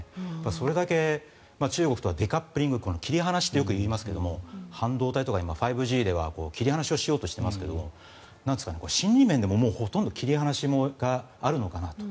それだけ中国とはデカップリング切り離しってよく言いますけど半導体とか５Ｇでは切り離しをしようとしてますけど心理面でもほとんど切り離しがあるのかなと。